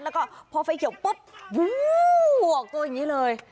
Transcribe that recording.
แล้วก็พอไฟเขียวปุ๊บวูบออกตัวอย่างนี้เลย